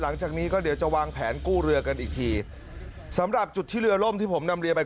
หลังจากนี้ก็เดี๋ยวจะวางแผนกู้เรือกันอีกทีสำหรับจุดที่เรือล่มที่ผมนำเรือไป